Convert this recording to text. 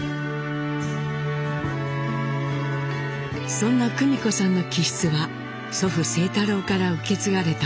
そんな久美子さんの気質は祖父清太郎から受け継がれたもの。